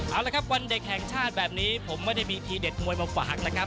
เอาละครับวันเด็กแห่งชาติแบบนี้ผมไม่ได้มีทีเด็ดมวยมาฝากนะครับ